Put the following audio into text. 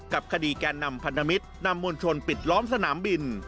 กับคดีแกนนำพันธมิตรนำมวลชนปิดล้อมสนามบิน